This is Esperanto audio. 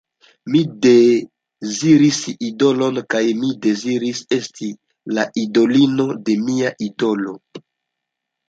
Mi deziris idolon kaj mi deziris esti la idolino de mia idolo.